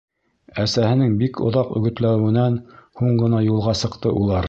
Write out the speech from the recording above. Әсәһенең бик оҙаҡ өгөтләүенән һуң ғына юлға сыҡты улар.